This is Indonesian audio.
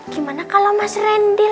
gimana kalau mas randy